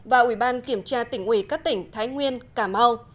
và ủy ban kiểm tra tỉnh ủy các tỉnh thái nguyên cà mau